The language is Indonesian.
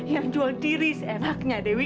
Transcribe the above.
yang jual diri seenaknya dewi